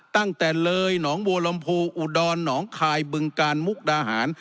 ตั้งแต่เลยหนองบัวลำพูอุดรหนองคายบึงกาลมุกดาหาร